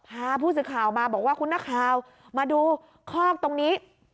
พาผู้สื่อข่าวมาบอกว่าคุณนักข่าวมาดูคอกตรงนี้